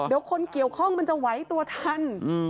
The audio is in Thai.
เดี๋ยวคนเกี่ยวข้องมันจะไหวตัวทัน